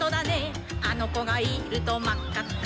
「あのこがいるとまっかっか」